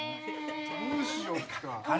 どうしよっか。